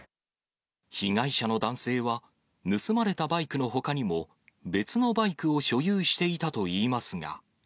被害者の男性は、盗まれたバイクのほかにも、別のバイクを所有していたといいますが。